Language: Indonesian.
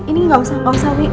ini ini gak usah gak usah wi